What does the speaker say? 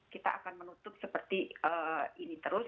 kita akan menutup seperti ini terus